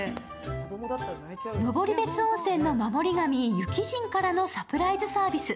登別温泉の守り神・湯鬼神からのサプライズ。